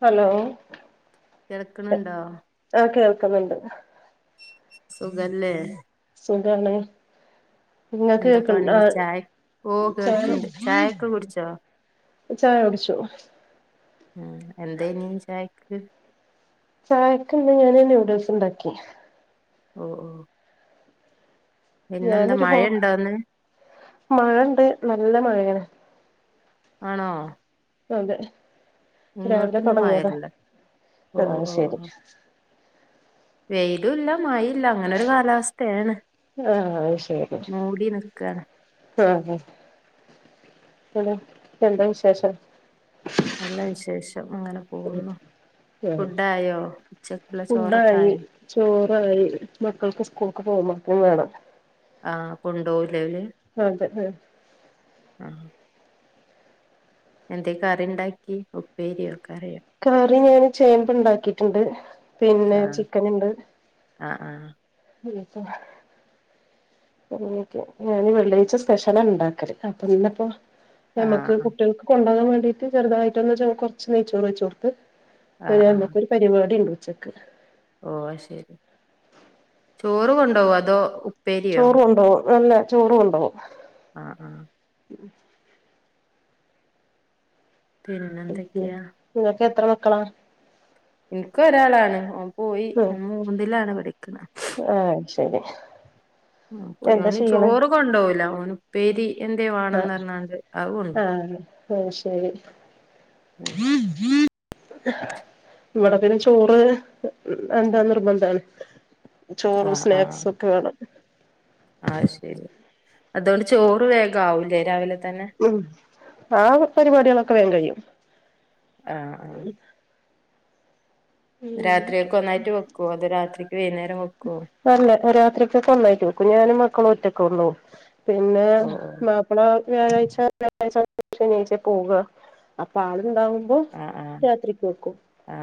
Hello! കിടക്കണിണ്ടോ? ക്കുന്നുണ്ട്. സുഖല്ലേ? സുഖാണ് നിങ്ങൾക്ക് കേക്ക എന്തപണി ആഹ് ഛായൊക്കെ ഓ ചായ കേൾക്ക് ണ്ട് ഛായൊക്കെ കുടിച്ചോ ഛായ കുടിച്ചു ആ എന്തയ് നീ ഛായക്ക് ചായക്കിന്ന് ഞാന് ന്യൂഡിൽസ്ണ്ടാക്കി ഓ ഓ പിന്നെന്താ ഞാനൊരു ഹൊ മഴയുണ്ടോന്ന് മഴണ്ട് നല്ല മഴേൺ [unintelligible] ആണോ? അതെ രാവിലെ ഇങ്ങോട്ടൊന്നും തുടങ്ങിയതാ മഴല്ല ആഹ് ശെരി വെയിലൂല്ല മഴേ ല്ല അങ്ങനെ ഒരു കാലാവസ്ഥേണ് ആഹ് ശരി മൂടി നിക്കാണ് ആഹ്, പിന്നെ എന്താ വിശേഷം? നല്ല വിശേഷം. അങ്ങനെ പോകുന്നു ആഹ് ഫുഡായോ ഉച്ചക്കുള്ള ചോറൊക്കെ ഫുഡായി ആയോ ചോറായി മക്കൾക്ക് സ്കൂ [unintelligible] വേണം ആ കൊണ്ടോ [unintelligible] അതെ ആഹ് എന്ത്യേ കറി ഉണ്ടാക്കി ഉപ്പേരിയോ കറി കറി ഞാന് ചേമ്പിണ്ടാക്കിട്ടുണ്ട് ആ പിന്നെ ചിക്കൻ ഉണ്ട് ആ ആ [unintelligible] ഞാന് വെള്ളിയാഴ്ച സ്പെഷ്യലാ ഇണ്ടാക്കല് അപ്പോ ഇന്നിപ്പോ ആ നമ്മക്ക് കുട്ടികൾക്ക് കൊണ്ടവാൻ വേ [unintelligible] ചെറുതായിട്ടൊന്ന് ചോ കൊറച് നെയ്യ്ചോറ് വെച്ച് കൊടുത്ത് ആ ആ [unintelligible] ആ നമുക്കൊരു പരിപാടി ണ്ട് ച്ചക്ക് ഓ അഹ് ശരി ചോറ് കൊണ്ടോവോ അതോ ഉപ്പേരിയോ ചോറ് കൊണ്ടോവു വെല്ലെ ചോറ് കൊണ്ടോഉ ആ ആ പിന്നെ [unintelligible] എന്തൊക്കെയാ നിങ്ങൾക്ക് എത്ര മക് ക്കളാ ഇൻക് ഒരാളാണ് ഓം പോയി ഉം മൂന്ന് ലാണ് പഠിക്ണഹ് ആഹ് ശരി ആ പോയി എന്താ ഓന് ചെയ്യണെ ചോറ് കൊണ്ടോവുലാ ഓന് ഉപ്പേരി എന്തേ വേണന്ന് പറഞ്ഞാണ്ട് അത് കൊണ്ടോവും ആ ശരി ഉം ഇവിടെ പിന്നെ ചോറ് എന്താ നിർബന്ധാണ് ചോറും സ്നാക്സ് ഒക്കെ വേണം ആഹ് ശരി അതുകൊണ്ട് ചോറ് വേഗം ആവൂലെ രാവിലെ തന്നെ ഉം ആ പരിപാടികളൊക്കെ വേഗം കഴിയും ആ ആ ഉം രാത്രിക്ക് ഒന്നായിട്ട് വെക്കുവോ അതോ രാത്രിക്ക് വൈകുന്നേരം വെക്കുവോ രാത്രികക്ക് ഒന്നായിട്ടവെക്കും ഞാനും മക്കളും ഒറ്റൊക്കെ ഉള്ളൂ പിന്നെ ഓ ഓ മാപ്പള വ്യാഴാഴ്ച്ച വ്യാാഴ ശനിയാഴച്ച പോക അപ്പ ആൾ ഉണ്ടാകുമ്പോ ആ ആ രാത്രിക്ക് വെക്കും ആ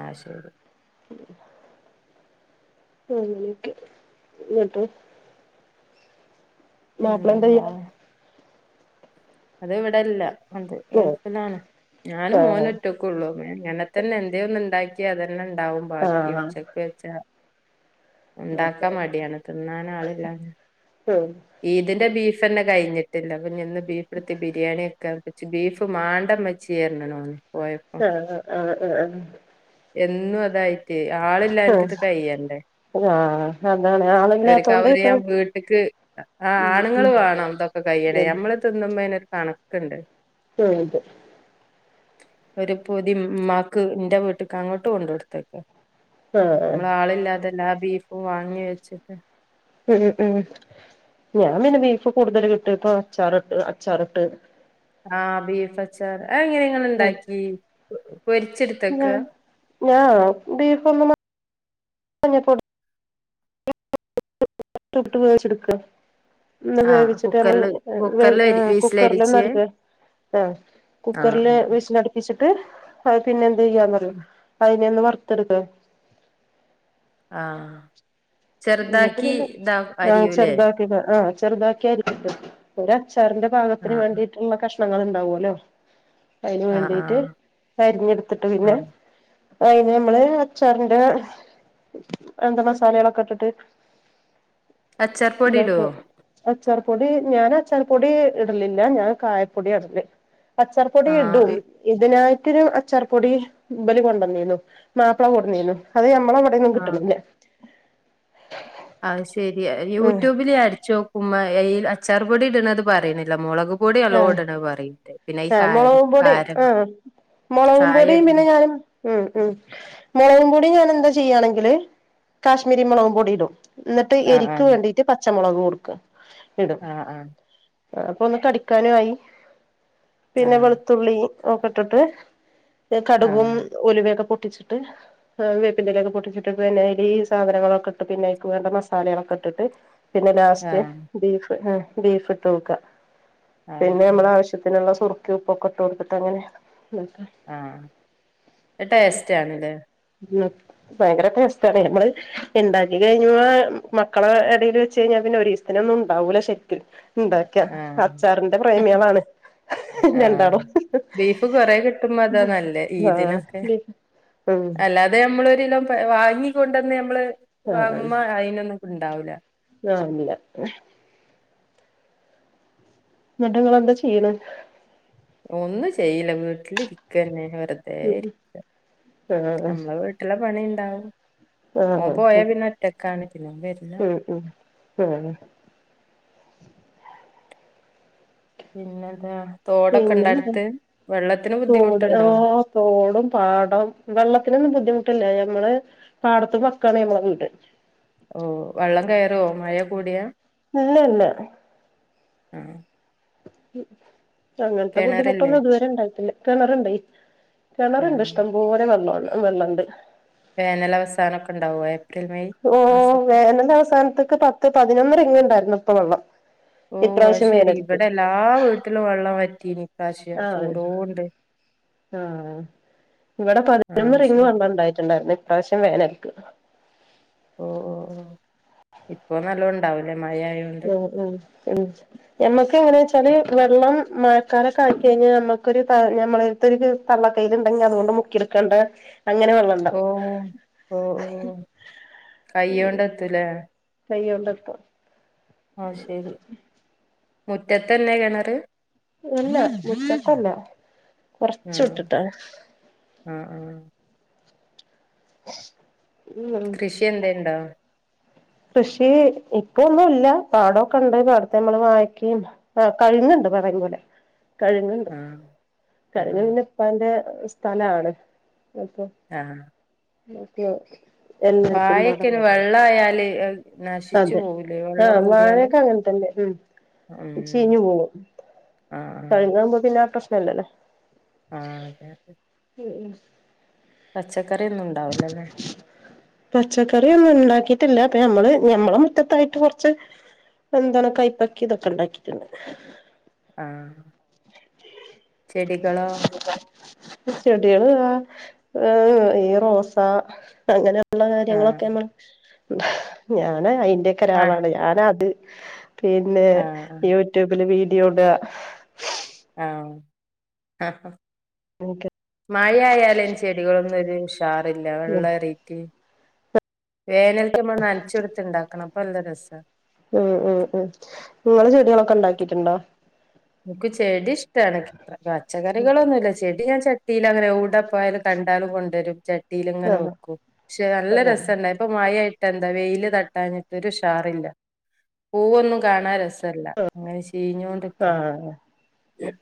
ആ ശരി ഉ ഉം അങ്ങനെക്കെ ന്നട്ട് പിന്നെ വേറെന്താ? അത് ഇവിടെല്ല. അത് ഉം ഗൾഫിലാണ് ഞാനും ആഹ് മോനും ഒറ്റക്കള്ളൂ അങ്ങനെ തന്നെ എന്തേഒന്ന് ഉണ്ടാക്കിയാ അത് തന്നെ ഉണ്ടാവും ബാക്കി ആഹ് ഉച്ചക്ക് വെച്ച ണ്ടാക്കാൻ മടിയാണ് തിന്നാൻ ആളില്ല. ഉം ഈദിന്റെ ബീഫ് ഫന്നെ കഴിഞ്ഞ് ട്ടില്ല പിന്നെ ഇന്ന് ബീഫടുത്ത് ബിരിയാണി കാച്ചപ്പം ഇച്ച് ബീഫ് മാണ്ട മ്മച്ചി ർന്നു ന്നോട് ആ ആ ആ ആ ആ എന്നും അതായി ട്ട് ആളില്ലാഞ്ഞിട്ട് ഇത് ആഹ് കയ്യണ്ടേ ആഹ് അതാണ് ഒരു ആളില്ലാത്തോണ്ട് കവർ ഇപ്പ ഞാൻ വീട്ട്ക്ക് ആ ഉം ആണുങ്ങൾ ഉം വേണം ഇതൊക്കെ കഴിയണേ നമ്മള് തിന്നുമ്പോയിനരു കണക്ക്ണ്ട്. ആ അതെ. ഒരു പൊതി മ്മാക്ക് ന്റെ വീട്ട്ക്ക് അങ്ങോട്ട് കൊണ്ട് കൊടുത്തേക്ക. ആഹ് നമ്മള് ആളില്ലാതെല്ലാ ബീഫും വാങ്ങി വെച്ചിട്ട് ഉം ഉം ഞാൻ പിന്നെ ബീഫ് കൂടുതൽ കിട്ടീപ്പൊ അച്ചാറിട്ട് അച്ചാറിട്ട് ആ ബീഫ് അച്ചാറ് ആ എങ്ങനെ ഇങ്ങൾ ഇണ്ടാക്കി പൊരിച്ചെടുത്തക്ക ഞാ ഞാ ബീഫ് ഒന്ന് മഞ്ഞപൊടി [unintelligible] ട്ട് വേവിച്ചടുക്കുക. ആഹ് വേവിച്ചിട്ട് നമ്മൾ കുക്കറില് ഹ് കുക്കറില് കുക്കറിലൊന്ന് വിസിലരിച്ച് അടിക്ക ആ കുക്കറില് ആഹ് വിസിലടുപ്പിച്ച് ട്ട് അത് പിന്നെ എന്തയ്യാന്നറിയോ അയിനെ ഒന്ന് വറു റുത്തടുക്ക ആ ന്നട്ട് പിന്നെ ആ അരിയൂലേ ചെറുതാക്കി ആ ചെറുതാക്കി അരിഞ്ഞിട്ട് ഒര അച്ചാറിന്റെ പാകത്തിന് ആഹ് വേണ്ടിട്ടുള്ള കഷ് ണങ്ങൾ ഉണ്ടാവുല്ലോ അയിന് ആഹ് വേണ്ടിട്ട് ആഹ് അരിഞ്ഞെടുത്തിട്ട് പിന്നെ ആഹ് അ അയ്ഞാ നമ്മള് അച്ചാറിന്റെ എന്താ മസാലകളൊക്കെ ഇട്ടി ട്ട് അച്ചാർപൊടിടോ പ്പൊടി ഞാൻ അച്ചാർപ്പൊടി ഇടലില്ല ഞാൻ കായപ്പൊടിയാ ഇടൽ അച്ചാർപ്പൊടി ഇടും ആഹ് ഇതിനായി ട്ടൊരു അച്ചാർ പൊടി ഇബല് കൊണ്ടന്നീന്നു മാപ്പിള കൊടുന്നിന്നു അത് മ്മള വടൊന്നും കിട്ടുന്നില്ലാ [unintelligible] അഹ് ശ രിയാ ഉം യൂട്യൂബില് അടിച്ചോക്കുമ്പോ ഈ അച്ചാർപൊടി ഇടണത് പറി ണില്ല മുളക് പൊടി നല്ലോം ആഹ് ഇടുണത് പറിണ്ട് പിന്നെ പിന്നെ ഈ ആഹ് കാരം മുളകും പൊടി കാരം ആഹ് മുളകും കായം പൊടിയും ഇടു ണും പിന്നെ ഞാനും ഉം ഉം മുളകും പൊടി ഞാൻ എന്താ ചെയ്യാണെങ്കില് കാശ്മീരി മുളകും പൊടി ഇടും എന്നിട്ട് ആഹ് എരിക്ക് ആഹ് വേണ്ടിട്ട് പച്ച മുളക് കൊടുക്കാ ആഹ് ആഹ് ആ അപ്പൊ ഒന്ന് കടി ക്കാനും ആയി. പിന്നെ ആഹ് വെളുത്തുള്ളി ഒക്കെ ഇട്ടിട്ട് കടുകും ആഹ് ഉലുവേക്ക പൊ ട്ടിച്ചിട്ട് ഇം വേപ്പന്റെലൊക്കെ പൊട്ടിച്ചിട്ട് പിന്നയ്ലീ സാധനങ്ങളൊക്കെ ഇട്ട് പിന്നെ അയിൽക്ക് വേണ്ട മസാലകളൊക്കെ ഇട്ടിട്ട് പിന്നെ ലാസ്റ്റ് ആഹ് ബീഫ് ആഹ് ബീഫ് ഇട്ടോക്ക. ആഹ് പിന്നെ നമ്മളെ ആവശ്യത്തിനുള്ള സുർ കയും ഉപ്പൊക്കെ ഇട്ട് കൊടുത്തിട്ട് അങ്ങനെ ആഹ് അത് ടേസ്റ്റ് ആണല്ലേ? ഭയങ്കര ടേസ്റ്റാണ്. നമ്മള് ഇണ്ടാക്കി കഴിഞ്ഞുമ്പോ മക്കളെ എടയില് വെച്ച് കഴിഞ്ഞാ പിന്നെ ഒരീസത്തിനൊന്നും ഒണ്ടാവൂല ശരിക്കും. ഇണ്ടാക്കിയാ ആഹ് [unintelligible] [unintelligible] പ്രേമികളാണ് ആഹ് രണ്ടാളും ബീഫ് കൊറെ കിട്ടുമ്പോ അതാ നല്ലേ ആഹ് ഈദിനൊക്കെ [unintelligible] മ്ഹ് നമ്മള് ഒരിലോ വാങ്ങിക്കൊണ്ടന്നെ നമ്മള് ആഹ് വാങ്ങുമ്പോ അയിനൊന്ന് ഉണ്ടാവില്ല. ആഹ് [unintelligible] എന്നിട്ട് നിങ്ങള് എന്താ ചെയ്യണേ? ഒന്നും ചെയ്യില്ല. വീട്ടിൽ ഇരിക്കന്നെ. വെതെ ഇര്ക്ക ആഹ് നമ്മള വീട്ടില പണിം ആഹ്. ഓൻ ആഹ് പോയാ പിന്നെ ഒറ്റക്കാണ്. പിന്നെ ഓൻ വരില്ല ഉം ഉം ആഹ്. പിന്നെന്താ? തോടൊക്കെ ഇണ്ട പിന്നെന്താ? അടുത്ത് വെള്ളത്തിന് തോട് ഓ ബുദ്ധിമുട്ടുണ്ടോ തോടും പാടം വെള്ളത്തിനൊന്നും ബുദ്ധിമു ട്ടില്ല. നമ്മള് പാടത്ത് വാക്കാണി നമ്മളുടേതുണ്ട്. ഓ വെള്ളം കയറോ വെള്ളം മഴ കൂടിയാ? ഇല്ലല്ല. ആഹ് അങ്ങൻത്തെ കിണറില്ലേ ബുദ്ധിമുട്ടൊന്നും ഇത് വരെ ഇണ്ടായിട്ട്ല്ല. കെണറ് ഇണ്ടേ. കിണറുണ്ട് ആഹ് ഇഷ്ടം പോലെ വെള്ളോ ആണ് വെള്ളണ്ട് വേനൽ അവസാനമൊക്കെ ഇണ്ടാവുവേ ഓ വേനൽ അവസാനത്ത്ക്ക് പത്ത് പതിനൊന്ന് റിംഗ് ഉണ്ടാ ന്ന് പ്പം വെള്ളം ഓ ഇപ്രാവശ്യം ആയിശേരി വേനൽക്ക് ഇവിടെ എല്ലാ വീട്ടിലും വെള്ളം വ റ്റിനി ആ ആ ഇവിടെ പതിനൊന്ന് ആഹ് റിങ് ശരി വെള്ളം ഉണ്ടായിട്ടുണ്ടായിരുന്നേ പ്രാവശ്യം വേനൽക്ക് ഓ ഓ ഓ ഇപ്പോ നല്ലോണം ഉണ്ടാവുലേ ഉം ഉം ഉം നമ്മക്ക് അങ്ങനെ ച്ചാല് വെള്ളം മഴക്കാലോക്കെ ആയിക്കഴിഞ്ഞാൽ നമ്മുക്കൊരു നമ്മളേടത്തൊരു തള്ള കൈയിൽ ഉണ്ടെങ്കി അതുകൊണ്ട് മുക്കിയെടുക്കേണ്ട അങ്ങനെ ഓ വെള്ളണ്ടാവും ഓ ഓ കയ്യോണ്ട് എത്തൂലേ കയ്യോണ്ടെത്തും ആ ശരി മുറ്റത്തെന്നെ കിണറ് ഇല്ല മുറ്റത്തല്ല കൊറച്ച് ആഹ് വിട്ടിട്ടാണ് ആഹ് ആഹ് ഉം കൃഷി എന്തേ ഉണ്ടോ കൃഷി ഇപ്പോ ഒന്നുല്ല പാടൊക്കെയുണ്ട് പാടത്തെ നമ്മള് വാഴക്ക് ആ കഴുങ്ങ് ഉണ്ട് [unintelligible] പോലെ കഴങ്ങ്ണ്ട് ആഹ് കഴങ്ങ് ആഹ് പിന്നെ ഇപ്പാൻ്റ ഒരു സ്ഥലാണ് ആ ഓക്കേ ഓക്കേ വാഴക്കൈന് വെള്ളായാൽ അതെ ആ വാഴൊക്കെ അങ്ങൻത്തെന്നെ മ് ഉം ചീഞ് പോഉം ആഹ് ആഹ് കെഴങ്ങാഉമ്പൊ പിന്നെ ആ പ്രഷ് നല്ലതാ ആഹ് ഉം തച്ച് പച്ചകറി ഒന്ന് ഉണ്ടാകി റ്റില്ല പ്പ ഞമ്മള് ഞമ്മളെ മുറ്റത്തായിട്ട് കുറച്ച് എന്താണ് കയ്പ്പക്കി ഇതൊക്കെ ഉണ്ടാക്കിക്ക്‌ണ് ആ ചെടികളോ ചെടികൾ ആ ഏയ് ഈ റോസ അങ്ങനെ ള്ള ആഹ് കാര്യങ്ങളൊക്കെ നമ് ഞാൻ [unintelligible] അയിന്റെ ഒക്കെ മ ഒരാളാണ് ഞാനാ അത് പിന്നെ ആഹ് യൂട്യൂബിൽ വീ [unintelligible] ആ ആ മഴയായാലും ചെടികളൊന്നും [unintelligible] [unintelligible] വെള്ള ഉം [unintelligible] [unintelligible] നമ്മ നനച്ചു കൊടുത്ത്ണ്ടാക്കണം അപ്പ നല്ല രസ മ് മ് മ് ങ്ങള് ചെടികളൊക്കെ ഉണ്ടാക്കിട്ടുണ്ടോ എക്ക് ചെടി ഇഷ്ടാണ് പച്ചക്കറികളൊന്നുല്ല ചെടി [unintelligible] ഞാൻ ചട്ടിയിൽ അങ്ങനെ ഊട പോയും കണ്ടാലും കൊണ്ടുവരും ചട്ടി [unintelligible] ഇങ്ങനെ ആഹ് വെക്കും ക്ഷെ നല്ല ആഹ് രസഡായ് ഇപ്പ മഴ റ്റെന്താ വെയില് തട്ടാഞ്ഞിട്ട് ഒരു ഉഷാറില്ല, പൂവൊന്നും കാണാൻ രസല്ല, [unintelligible] കീഞ്ഞോണ്ട്ക്ക ആഹ്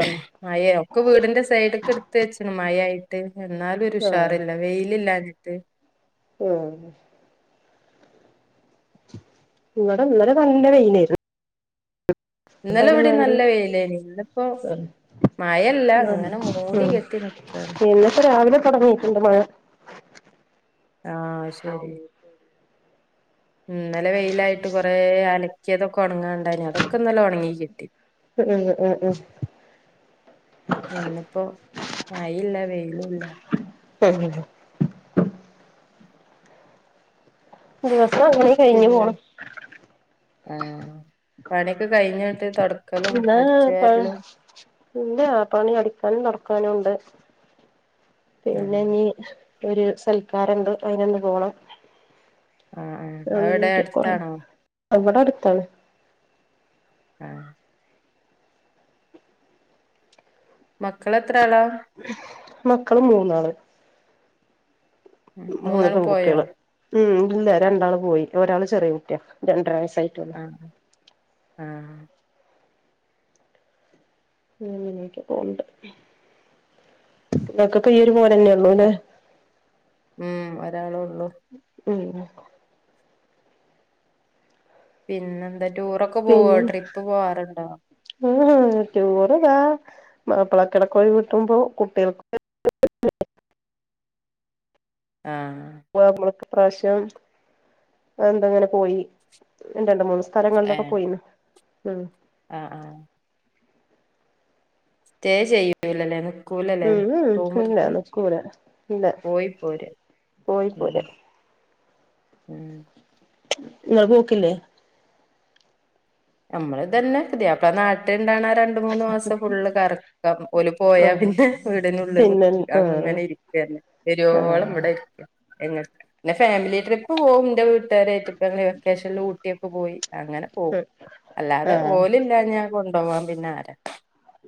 ആഹ് മഴ ഒക്കെ വീടിന്റെ സൈഡോക്കെ എടുത്ത് വച്ചണ് മഴ ആയി. [unintelligible] എന്നാലും ഒരു ആഹ് ഉഷാറില്ല വെയിലില്ലാഞ്ഞി ത്ത് ഉം ഇവടെ ഇന്നല നല്ല വെയിലേര് ഇന്നലെ വടിം നല്ല വെയിലേനി ന്നിപ്പോ ആഹ് മഴല്ല ആഹ് ങ്ങനെ മൂടി കെട്ടി നിക്കാണ് തൊടങ്ങീട്ടുണ്ട് മഴ ആഹ് ശരി ന്നലെ വെയിലായിട്ട് കൊറേ അല ക്കിയതൊക്കെ ഒണങ്ങാണ്ടായിനി അതൊക്കെ ന്നലെ ഒണങ്ങി കിട്ടി ഉം ഉം ഉം ഉം മയില്ല വെയിലും ല്ല [unintelligible] ദിവസങ്ങനെ കൈഞ്ഞു പോണു ആ പണി ന്നാ പ വാരലും ല്ല പണി അടിക്കാനും തോട്‌ക്കാനും ണ്ട്. ആഹ് പിന്നെ നീ ഒരു സൽക്കാരണ്ട് അയ്നൊന്ന് പോണം. ആഅ അവെടെ അട്ത്താണോ വടെ അടുത്താണ് ആഹ് മക്കളെ ത്രാളാ മക്കള് മൂന്നാള മൂന്ന് മൂന്നാളും പോയോ പെൺകുട്ട്യാള് ഉം ഇല്ല രണ്ടാൾ പോയി ഒരാള് ചെറിയ കുട്ട്യാ രണ്ടര വയസ്സ്. ആഹ് ആ ഉം പോവ്ണ്ട് ങ്ങക്ക് പ്പ ഈ ഒരു മോനന്നെ ഉള്ളൂല്ലേ ഉം ഒരാളൊള്ളൂ ഉം ഉം പിന്നെ എന്താ ടൂറൊക്കെ പോവോ പിന്നെ ട്രിപ്പ് പോവാറുണ്ടോ ടൂർ താ മപ്പളക്കിടക്ക് ഒഴിവ്ട്ടുമ്പോ കോഴ കിട്ടുമ്പോ കുട്ടികൾക്ക് ആ പ്രാശ്യം എന്തങ്ങനെ പോയി രണ്ട് മൂന്ന് [unintelligible] സ്ഥ ലങ്ങളിലൊക്കെ പോയീണ്. ഉം ആ ആ സ്റ്റേ ചെയ്യൂല്ലല്ലേ നി ഇല്ല നിക്കൂല ഇല്ല പോയി പോരാ പോയി ഉം പോരാ ഉം ഇയാൾ പോക്കില്ലേ നമ്മള് ഇതന്നെ പുതിയാപ്ല നാട്ടിലി ണ്ടാണ ആ രണ്ട്‌ മൂന്ന് മാസം ഫുള്ള് കറക്കം ഓല് പോയാ ആഹ് പിന്നെ വീടിനുള്ളിൽ പിന്നെ കുത്തി ഇരി ആഹ് അങ്ങനെ ഇരിക്കന്നെ വെരുവോളം ആഹ് ഇവിടെ ഇരിക്ക എങ്ങന്ന ഫാമിലി ട്രിപ്പ് പോവും എന്റെ വീട്ടുകാരായിട്ട് വെക്കേഷനിൽ ഊട്ടി ഏക്ക് പോയി അങ്ങനെ പോവും അല്ലാതെ ആഹ് ഓലില്ലാഞ്ഞ കൊണ്ടോവാൻ പിന്നെ ആര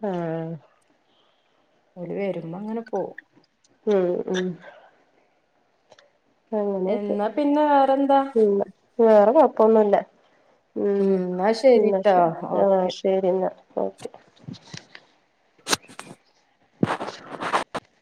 ആ ഓല് വരുമ്പ അങ്ങനെ പോവും ഉം ഉം അങ്ങനെയൊക്കെ എന്നാ പിന്നെ വേറെന്താ ഉം വേറെ കൊഴപ്പൊന്നുല്ല എന്നാ ഉം ശരിട്ടോ ആ ഓക്കെ ശരി എന്നാ ഓക്കെ